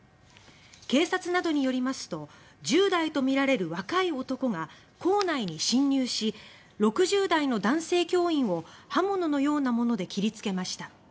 警察などによりますと１０代とみられる若い男が校内に侵入し６０代の男性教員を刃物のようなもので切りつけました。